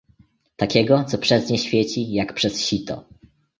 "takiego, co przez nie świeci, jak przez sito."